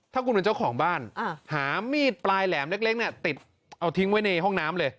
ถ้าคุณเป็นเจ้าของบ้านหามีดปลายแหลมเล็กติดเอาทิ้งไว้ในห้องน้ำเลย